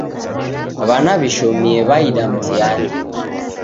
W'ana w'ishomie w'aida mtihani.